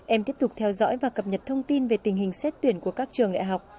em tiếp tục theo dõi và cập nhật thông tin về tình hình xét tuyển của các trường đại học